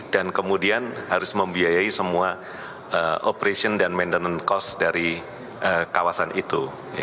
dan kemudian harus membiayai semua operation dan maintenance cost dari kawasan itu